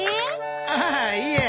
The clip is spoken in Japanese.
ああいえ。